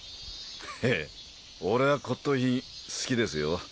ヘッ俺は骨とう品好きですよ